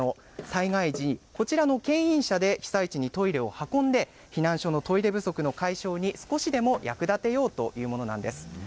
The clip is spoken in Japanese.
災害時、こちらのけん引車で、被災地にトイレを運んで、避難所のトイレ不足の解消に少しでも役立てようというものなんです。